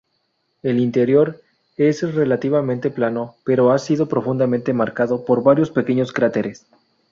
El interior es relativamente plano, pero ha sido profundamente marcado por varios pequeños cráteres.